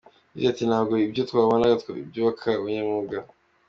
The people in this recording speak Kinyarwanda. Yagize ati “Ntabwo ibyo twabonaga byubaka ubunyamwuga.